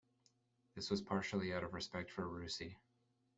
This was partially out of respect for Rusie.